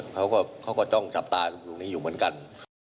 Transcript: เขาก็จ้องจับตาตรงนี้อยู่เหมือนกัน